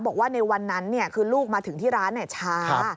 บอกว่าในวันนั้นคือลูกมาถึงที่ร้านช้า